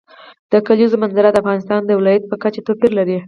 د کلیزو منظره د افغانستان د ولایاتو په کچه توپیر لري.